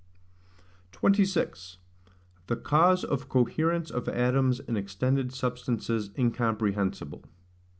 26. The cause of coherence of atoms in extended substances incomprehensible.